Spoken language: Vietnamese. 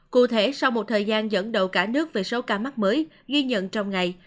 cụ thể sau một thời gian dẫn đầu cả nước về số ca mắc mới ghi nhận trong ngày